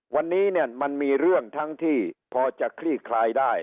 วันนี้เนี่ยมันมีเรื่องทั้งที่พอจะคลี่คลายได้